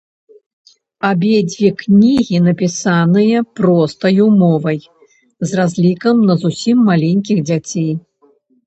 Абедзве кнігі напісаныя простаю мовай, з разлікам на зусім маленькіх дзяцей.